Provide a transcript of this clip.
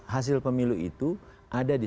hasil pemilu itu ada di